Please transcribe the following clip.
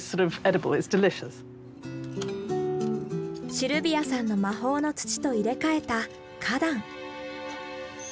シルビアさんの魔法の土と入れかえた花壇。